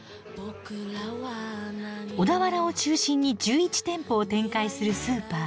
小田原を中心に１１店舗を展開するスーパー。